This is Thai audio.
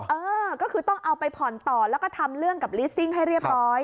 เออก็คือต้องเอาไปผ่อนต่อแล้วก็ทำเรื่องกับลิสซิ่งให้เรียบร้อย